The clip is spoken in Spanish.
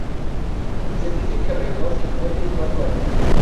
Se dice que reinó cincuenta y cuatro años.